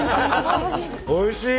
おいしい！